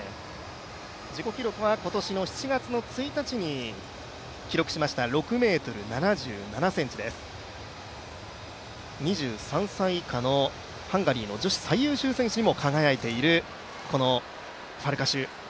自己記録は今年の７月１日に記録しました、６ｍ７７ｃｍです２３歳以下のハンガリーの女子最優秀選手にも輝いているこのファルカシュ。